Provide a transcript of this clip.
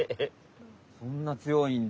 そんな強いんだ。